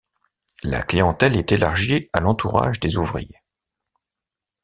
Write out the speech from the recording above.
La clientèle est élargie à l'entourage des ouvriers.